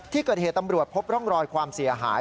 ที่เกิดเหตุตำรวจพบร่องรอยความเสียหาย